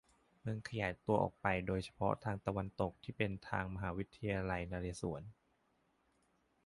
เมืองขยายตัวออกไปโดยเฉพาะทางตะวันตกที่เป็นทางไปมหาวิทยาลัยนเรศวร